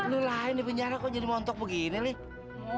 eh inilah ini penjara kok jadi montok begini nih